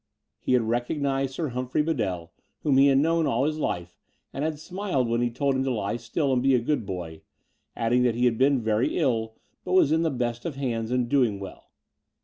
He had recognized Sir Humphrey Bedell, whom he had known all his life, and had smiled when he told him to lie still and be a good boy, adding that he had been very ill, but was in the best of hands and doing well.